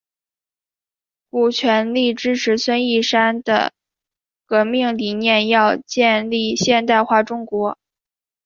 古全力支持孙逸仙的革命理念要建立现代化中国。